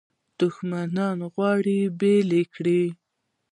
دښمنان غواړي بیل یې کړي.